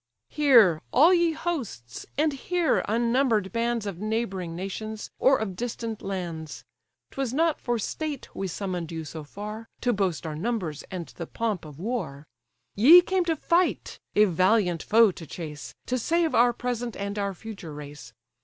"Hear, all ye hosts, and hear, unnumber'd bands Of neighbouring nations, or of distant lands! 'Twas not for state we summon'd you so far, To boast our numbers, and the pomp of war: Ye came to fight; a valiant foe to chase, To save our present, and our future race.